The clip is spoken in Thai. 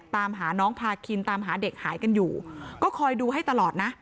ตามหาน้องพาคินตามหาเด็กหายกันอยู่ก็คอยดูให้ตลอดนะ